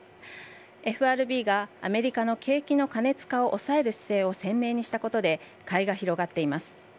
ＦＲＢがアメリカの景気の過熱化を抑える姿勢を鮮明にしたことで買いが広がっています。